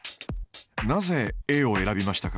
なぜＡを選びましたか？